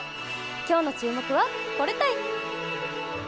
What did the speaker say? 今日の注目は、これたい！